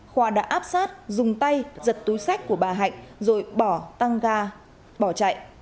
khoa đã áp sát dùng tay giật túi sách của bà hạnh rồi bỏ tăng ga bỏ chạy